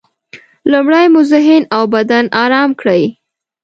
لومړی مو ذهن او بدن ارام کړئ.